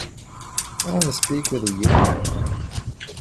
I want to speak with a human.